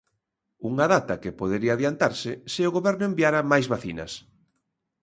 Unha data que podería adiantarse se o Goberno enviara máis vacinas.